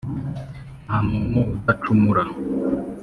nta muntu udacumura